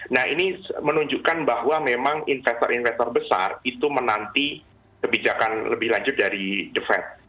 nah ini menunjukkan bahwa memang investor investor besar itu menanti kebijakan lebih lanjut dari the fed